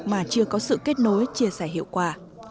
mà chưa có sự kết nối chia sẻ hiệu quả